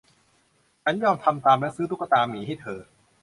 ฉันยอมทำตามและซื้อตุ๊กตาหมีให้เธอ